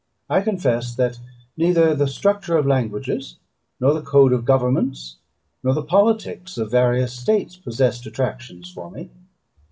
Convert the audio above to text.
I confess that neither the structure of languages, nor the code of governments, nor the politics of various states, possessed attractions for me.